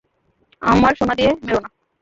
আমার সোনা দিয়ে মেরো না!